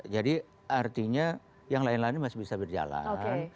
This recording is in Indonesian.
jadi artinya yang lain lain masih bisa berjalan